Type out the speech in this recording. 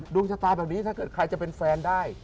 ดวงชะตาแบบนี้ถ้าเกิดใครจะเป็นแฟนได้